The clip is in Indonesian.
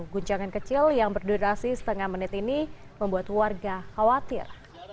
guncangan kecil yang berdurasi setengah menit ini membuat warga khawatir